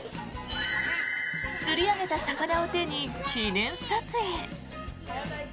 釣り上げた魚を手に記念撮影。